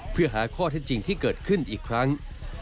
เพื่อหาข้อเท็จจริงที่เกิดขึ้นอีกครั้ง